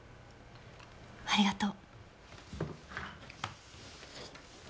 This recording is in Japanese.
ありがとう。